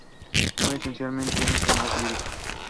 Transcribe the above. Fue esencialmente un tenor lírico.